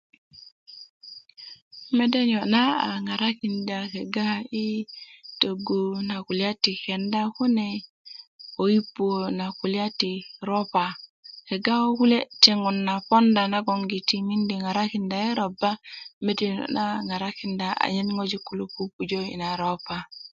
mede niyo' na a ŋarakinda kegga yi töggu na kulya ti kenda kune ko yi puwö na kulya ti ropa kegga ko kune' teŋo na poonda na miindi ŋarakinda yi robba mede niyo' na ŋaŋarakinda anyen ŋojik kilo bubulö pujo ropa